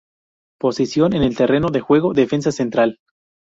Posición en el terreno de juego: defensa central.